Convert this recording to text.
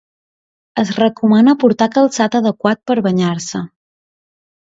Es recomana portar calçat adequat per banyar-se.